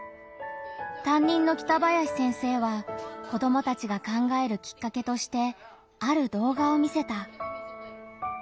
担任の北林先生は子どもたちが考えるきっかけとしてある動画を見せた。